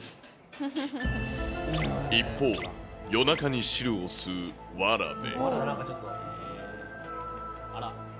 一方、夜中に汁を吸うわらべ。